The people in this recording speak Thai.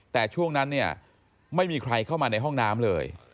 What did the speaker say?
แต่ช่วงนั้นเนี่ยไม่มีใครเข้ามาในห้องน้ำเลย